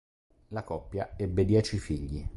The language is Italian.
La coppia ebbe dieci figli.